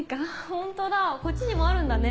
ホントだこっちにもあるんだね。